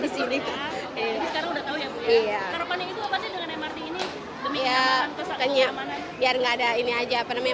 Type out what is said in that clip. biar gak ada ini aja apa namanya